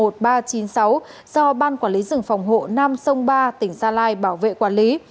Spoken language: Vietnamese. do ban quản lý rừng phòng hộ nam sông ba tỉnh gia lai bảo vệ quản lý